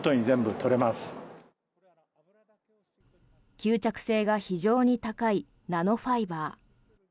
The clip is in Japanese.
吸着性が非常に高いナノファイバー。